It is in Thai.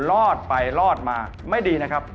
รอดไปรอดมาไม่ดีนะครับ